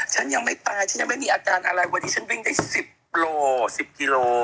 ฉันยังไม่ตายฉันยังไม่มีอาการอะไรวันนี้ฉันวิ่งได้๑๐โล๑๐กิโล